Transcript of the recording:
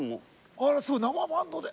あらすごい生バンドで。